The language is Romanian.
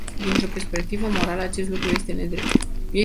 Dintr-o perspectivă morală, acest lucru este nedrept.